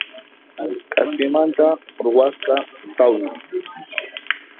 K'aspimanta ruwasqa tawna